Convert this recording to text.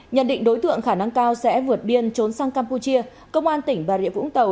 nhận định đối tượng khả năng cao sẽ vượt biên trốn sang campuchia công an tỉnh bà rịa vũng tàu